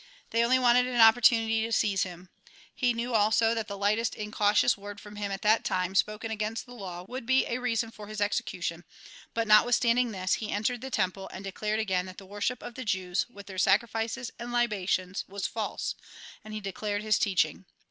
They only wanted an opportunity to seize him. He knew also that the lightest incautious word from him at that time, spoken against the law, would be a reason for his execution ; but notwith standing this, he entered the temple, and declared again that the worship of the Jews, with their sacrifices and libations, was false, and he declared his teaching.